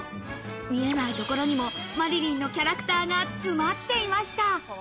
見えないところにも麻理鈴のキャラクターが詰まっていました。